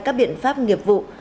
các biện pháp nghiệp vụ